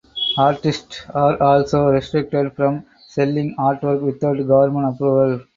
Artists are also restricted from selling artwork without government approval.